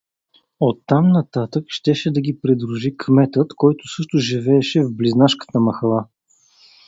Оттам нататък щеше да ги придружи кметът, който също живееше в „Близнашката махала“.